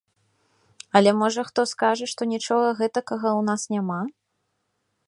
Але можа хто скажа, што нічога гэтакага ў нас няма?